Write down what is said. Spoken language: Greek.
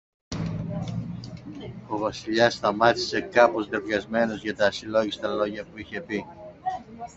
Ο Βασιλιάς σταμάτησε, κάπως ντροπιασμένος για τα ασυλλόγιστα λόγια που είχε πει.